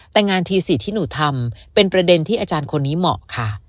แต่งานที๔ที่หนูทำเป็นประเด็นที่อาจารย์คนนี้เหมาะค่ะ